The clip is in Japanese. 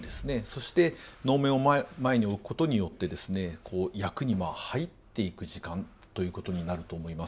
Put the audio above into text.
そして能面を前に置くことによってですね役に入っていく時間ということになると思います。